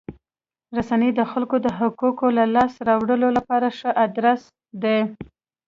رسنۍ د خلکو د حقوقو د لاسته راوړلو لپاره ښه ادرس دی.